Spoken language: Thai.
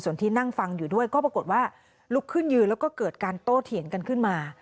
และก็เกิดการโตเถียนกันขึ้นมา